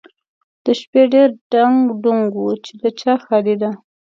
د شپې ډېر ډنګ ډونګ و چې د چا ښادي ده؟